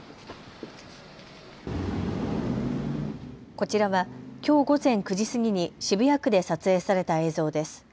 こちらは、きょう午前９時過ぎに渋谷区で撮影された映像です。